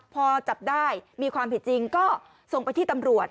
พอจับได้มีความผิดจริงก็ส่งไปที่ตำรวจ